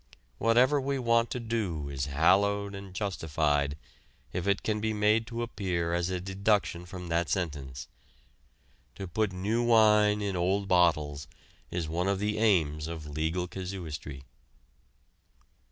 Whatever we want to do is hallowed and justified, if it can be made to appear as a deduction from that sentence. To put new wine in old bottles is one of the aims of legal casuistry.